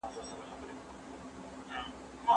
ښځې باید د درناوي عزت او برابر حقونو څخه برخمنې وي